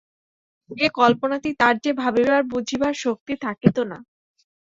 এ কল্পনাতেই তার যে ভাবিবার বুঝিবার শক্তি থাকিত না।